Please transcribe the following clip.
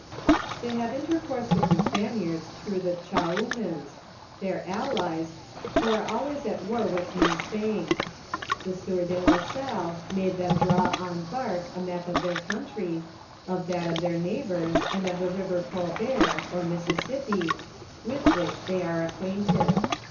They have intercourse with the Spaniards through the Ohoiimans, their allies, who are always at war with New Spain. Tke sienr de la Salle made them draw on bark a map of their country, of that of their neighbors, and of the river Oolbert, or Mississippi, with which they are acquainted.